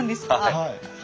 はい。